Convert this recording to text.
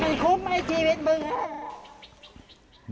มันคุ้มไหมชีวิตมึงอ่ะ